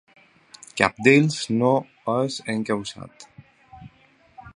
Cap d’ells no és encausat.